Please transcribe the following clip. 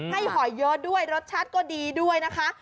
หอยเยอะด้วยรสชาติก็ดีด้วยนะคะ